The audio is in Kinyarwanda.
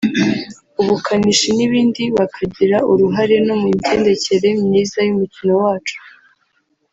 ubukanishi n’ibindi bakagira uruhare no mu migendekere myiza y’umukino wacu